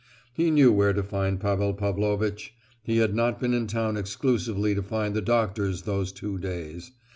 He knew where to find Pavel Pavlovitch. He had not been in town exclusively to find the doctors those two days.